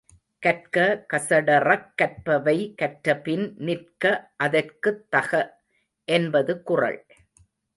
கற்க கசடறக் கற்பவை கற்றபின் நிற்க அதற்குத் தக என்பது குறள்.